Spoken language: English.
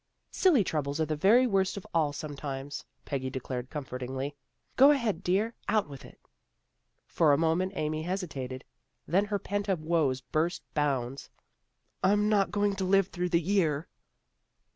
" Silly troubles are the very worst of all sometimes," Peggy declared comfortingly. " Go ahead, dear. Out with it." For a moment Amy hesitated. Then her pent up woes burst bounds. " I'm not going to live through the year."